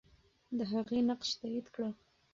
د هغې نقش تایید کړه.